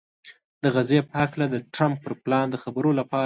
د غزې په هکله د ټرمپ پر پلان د خبرو لپاره